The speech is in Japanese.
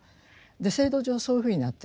制度上はそういうふうになっている。